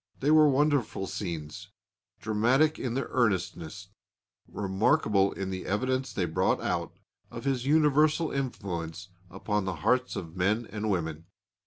They were wonderful scenes, dramatic in their earnestness, remarkable in the evidence they brought out of his universal influence upon the hearts of men and women.